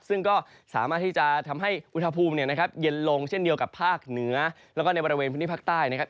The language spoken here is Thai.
ซึ่งก็สามารถที่จะทำให้อุณหภูมิเนี่ยนะครับเย็นลงเช่นเดียวกับภาคเหนือแล้วก็ในบริเวณพื้นที่ภาคใต้นะครับ